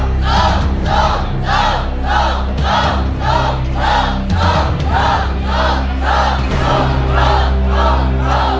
สู้